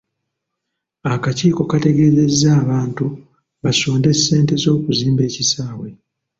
Akakiiko kategeezezza abantu basonde ssente z'okuzimba ekisaawe.